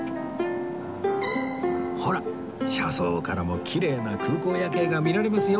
ほら車窓からもきれいな空港夜景が見られますよ